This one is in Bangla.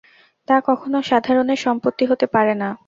তা কখনও সাধারণের সম্পত্তি হতে পারে না।